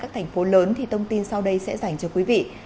các thành phố lớn thì thông tin sau đây sẽ dành cho quý vị